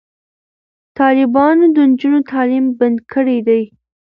طالبانو د نجونو تعلیم بند کړی دی.